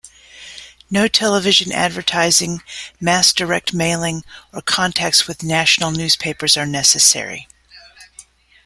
No television advertising, mass direct mailing or contacts with national newspapers are necessary.